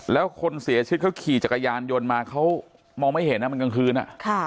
แล้วคนเสียชีวิตเขาขี่จักรยานยนต์มาเขามองไม่เห็นนะมันกลางคืน